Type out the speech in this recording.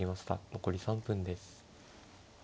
残り３分です。